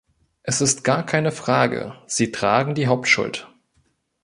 Es ist gar keine Frage, sie tragen die Hauptschuld.